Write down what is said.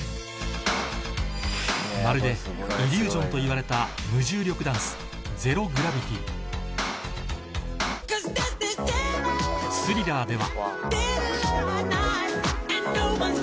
まるでイリュージョンといわれた無重力ダンス『Ｔｈｒｉｌｌｅｒ』では